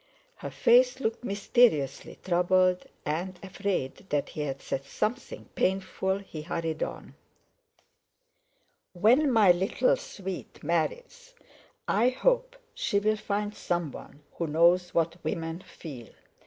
Her face looked mysteriously troubled, and, afraid that he had said something painful, he hurried on: "When my little sweet marries, I hope she'll find someone who knows what women feel.